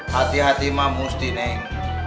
hati hati mah mesti neng